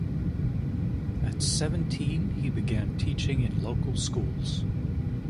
At seventeen he began teaching in local schools.